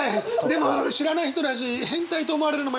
でも知らない人だし変態と思われるのも嫌だし。